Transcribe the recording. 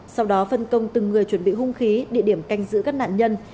sau đó phân công từng người chuẩn bị hung khí địa điểm canh giữ các nạn nhân